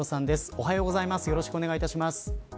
おはようございます。